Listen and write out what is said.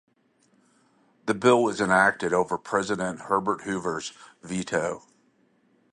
The bill was enacted over President Herbert Hoover's veto.